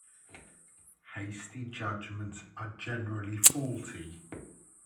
Hasty judgements are generally faulty.